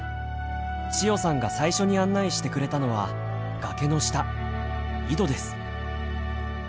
千代さんが最初に案内してくれたのは崖の下井戸です。